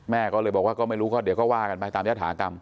แม่ก็เลยบอกว่าก็ไม่รู้ก็เดี๋ยวก็ว่ากันไปตามยฐากรรม